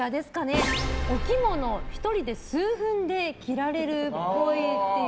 お着物１人で数分で着られるっぽい。